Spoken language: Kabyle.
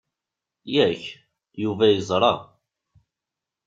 Yak, Yuba yeẓṛa.